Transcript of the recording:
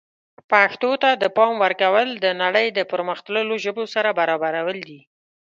پښتو ته د پام ورکول د نړۍ د پرمختللو ژبو سره برابرول دي.